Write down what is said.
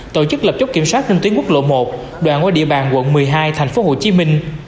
tổ chức lập chốt kiểm soát trên tuyến quốc lộ một đoạn qua địa bàn quận một mươi hai thành phố hồ chí minh